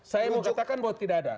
saya mau katakan bahwa tidak ada